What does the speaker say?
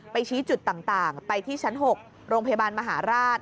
ชี้จุดต่างไปที่ชั้น๖โรงพยาบาลมหาราช